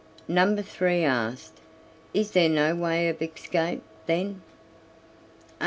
Number three asked: "Is there no way of escape, then?" "Oh!